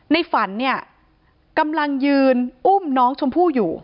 ในฝันเนี่ยกำลังยืนอุ้มน้องชมพู่อยู่